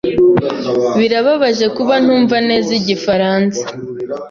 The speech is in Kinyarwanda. Birababaje kuba ntumva neza igifaransa.